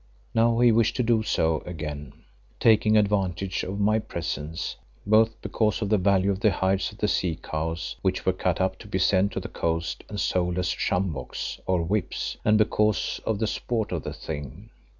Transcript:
Now he wished to do so again, taking advantage of my presence, both because of the value of the hides of the sea cows which were cut up to be sent to the coast and sold as sjamboks or whips, and because of the sport of the thing.